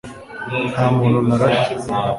nta muntu narashe